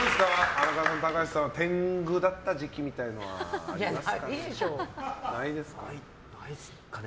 荒川さん、高橋さんは天狗だった時期みたいなのはないですかね。